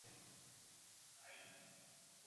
实化是概念分析与知识表示中最常用的技术。